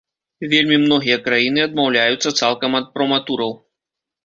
Вельмі многія краіны адмаўляюцца цалкам ад проматураў.